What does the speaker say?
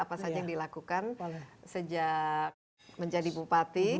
apa saja yang dilakukan sejak menjadi bupati